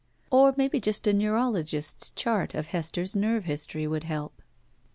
Or maybe just a neurologist's chart of Hester's nerve history would help.